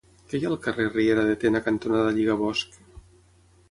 Què hi ha al carrer Riera de Tena cantonada Lligabosc?